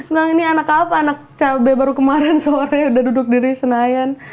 nah ini anak apa anak cabai baru kemarin sore udah duduk di senayan